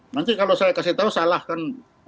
nanti kalau saya kasih tahu salah kan